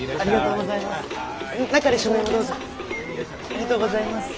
ありがとうございます。